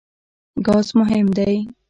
ګاز مهم دی.